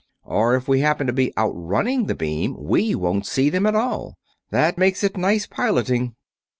"Or, if we happen to be outrunning the beam, we won't see them at all. That makes it nice piloting."